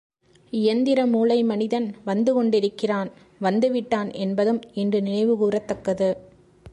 இயந்திர மூளை மனிதன் வந்து கொண்டிருக்கிறான் வந்து விட்டான் என்பதும் ஈண்டு நினைவு கூரத்தக்கது.